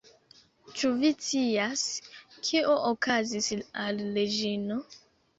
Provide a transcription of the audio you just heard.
Ĉu vi scias, kio okazis al Reĝino?